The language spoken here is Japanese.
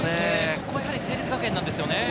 ここが成立学園ですよね。